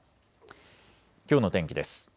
きょうの天気です。